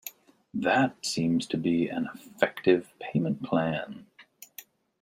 That seems to be an effective payment plan